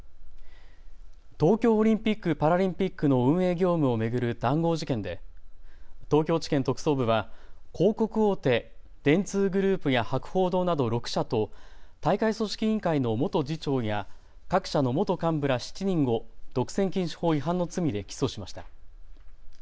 東京オリンピック・パラリンピックの運営業務を巡る談合事件で東京地検特捜部は広告大手、電通グループや博報堂など６社と大会組織委員会の元次長や各社の元幹部ら７人を独占禁止法違反の罪で起訴しました。